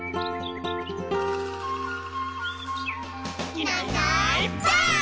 「いないいないばあっ！」